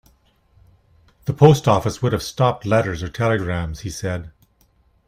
"The Post Office would have stopped letters or telegrams," he said.